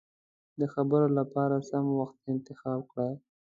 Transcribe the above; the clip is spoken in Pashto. د خبرو له پاره سم وخت انتخاب کړه.